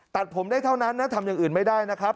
ตัดผมได้เท่านั้นนะทำอย่างอื่นไม่ได้นะครับ